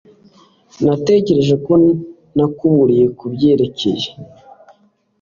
Natekereje ko nakuburiye kubyerekeye